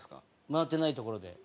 回ってないところで。